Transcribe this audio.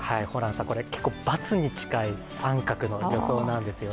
これ×に近い△の予想なんですよね。